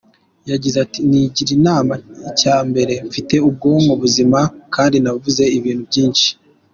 Yagize ati “Nigira inama, icya mbere mfite ubwonko buzima kandi navuze ibintu byinshi.